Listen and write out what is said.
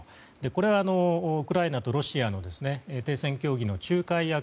これはウクライナとロシアの停戦協議の仲介役